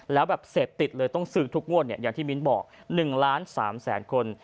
แล้วเสพติดเลยต้องซื้อทุกงวดอย่างที่มิ้นบอก๑๓ล้านคน